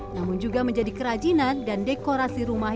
namun juga menjadi kerajinan dan dekorasi rumah